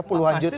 puluhan juta itu